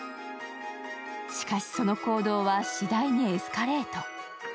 しかし、その行動はしだいにエスカレート。